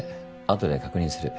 後で確認する。